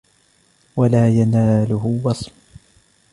وَلَا يَنَالَهُ وَصْمٌ